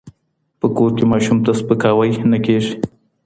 په کور کي ماشوم ته سپکاوی نه کېږي.